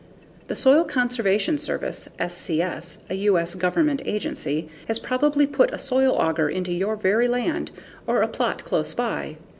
The Soil Conservation Service (SCS), a U.S. Government agency, has probably put a soil auger into your very land or a plot close by.